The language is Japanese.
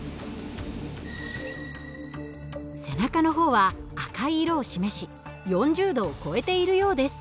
背中の方は赤い色を示し４０℃を超えているようです。